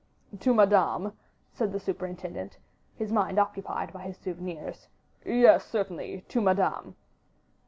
"To Madame," said the superintendent, his mind occupied by his souvenirs. "Yes, certainly, to Madame."